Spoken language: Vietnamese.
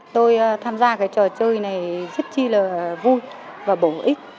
tôi tham gia cái trò chơi này rất chi là vui và bổ ích